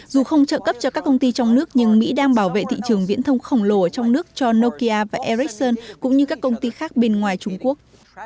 dù không trợ cấp cho các công ty trong nước nhưng mỹ đang bảo vệ thị trường viễn thông khổng lồ trong nước cho nokia và ericsson cũng như các công ty khác bên ngoài trung quốc